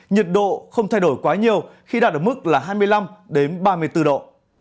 nhiệt độ không thay đổi quá nhiều khi đạt ở mức là hai mươi năm ba mươi bốn độ